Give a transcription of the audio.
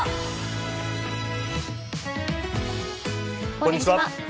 こんにちは。